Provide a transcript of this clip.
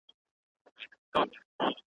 بوه لور ورته ناروغه سوه او مړه سوه .